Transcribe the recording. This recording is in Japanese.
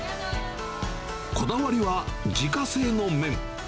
こだわりは自家製の麺。